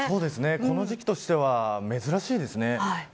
この時期としては珍しいですね。